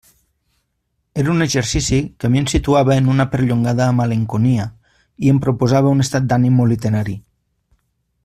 Era un exercici que a mi em situava en una perllongada malenconia, i em proposava un estat d'ànim molt literari.